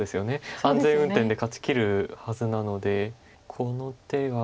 安全運転で勝ちきるはずなのでこの手は。